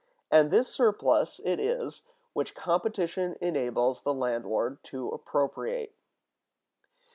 And this surplus it is which competition enables the landlord to appropriate.